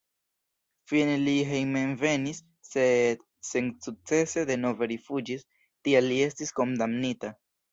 Fine li hejmenvenis, sed sensukcese denove rifuĝis, tial li estis kondamnita.